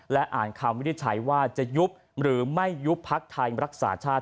และอ่านคำวินิจฉัยว่าจะยุบหรือไม่ยุบพักไทยรักษาชาติ